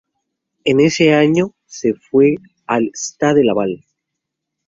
En ese año se fue al Stade Laval.